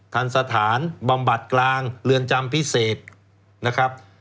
ทันสถานบำบัดกลางเรือนจำพิเศษนะครับ